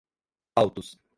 autos